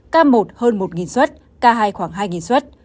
ca một hơn một xuất ca hai khoảng hai xuất